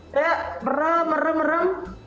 kayak merem merem merem